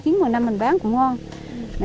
chín một mươi năm mình bán cũng ngon